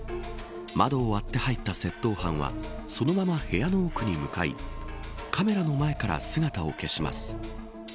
窓を割って入った窃盗犯はそのまま部屋の奥に向かいカメラの前から姿を消します。